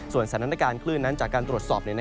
สถานการณ์คลื่นนั้นจากการตรวจสอบ